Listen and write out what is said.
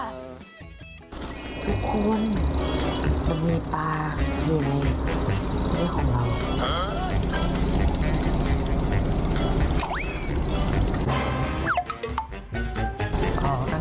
ทุกคนคนมีปลาอยู่ในนี่ของเรา